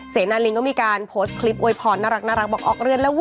เสนาลินก็มีการโพสต์คลิปโวยพรน่ารักบอกออกเรือนแล้ววุ